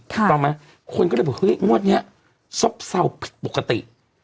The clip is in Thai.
ใช่ไหมคุณก็เลยบอกว่างวดนี้ซ่อบเศร้าปกติ